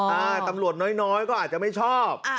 ตำรวจน้อยก็อาจจะไม่ชอบ